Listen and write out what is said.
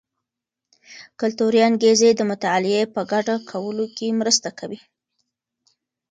کلتوري انګیزې د مطالعې په ګډه کولو کې مرسته کوي.